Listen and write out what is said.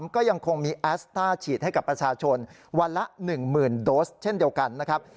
ก็ยังคงมีแอสต้าฉีดให้กับประชาชนวันละ๑๐๐๐โดสเช่นเดียวกันนะครับ